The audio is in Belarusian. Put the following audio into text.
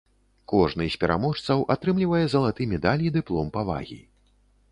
Кожны з пераможцаў атрымлівае залаты медаль і дыплом павагі.